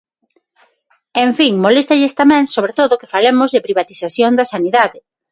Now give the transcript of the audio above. En fin, moléstalles tamén, sobre todo, que falemos de privatización da sanidade.